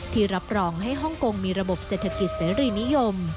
รับรองให้ฮ่องกงมีระบบเศรษฐกิจเสรีนิยม